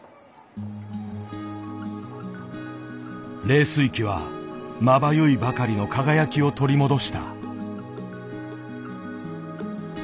冷水器はまばゆいばかりの輝きを取り戻した。